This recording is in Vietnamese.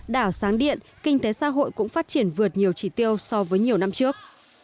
đảo sáng điện kinh tế xã hội cũng phát triển vượt nhiều chỉ tiêu so với nhiều năm trước